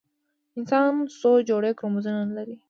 انسان څو جوړه کروموزومونه لري؟